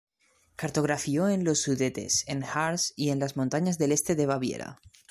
Cartografió en los Sudetes, en Harz y en las montañas del este de Baviera.